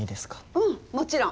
うんもちろん。